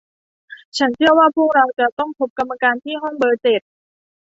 ฉันเชื่อว่าพวกเราจะต้องพบกรรมการที่ห้องเบอร์เจ็ด